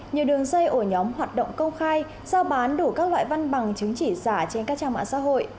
nhiều đường dây ổ nhóm hoạt động công khai giao bán đủ các loại văn bằng chứng chỉ giả trên các trang mạng xã hội